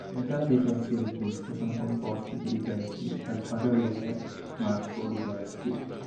Metà dei pezzi del disco sono composti per i testi dal paroliere Marco Luberti.